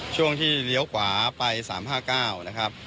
ช่วงที่เลี้ยวขวาไป๓๕๙นะครับ